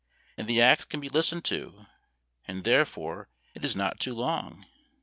and the acts can be listened to, and therefore it is not too long!